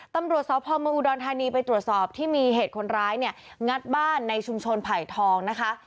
ตำรวจสพเมืองอุดรธานีไปตรวจสอบที่มีเหตุคนร้ายเนี่ยงัดบ้านในชุมชนไผ่ทองนะคะ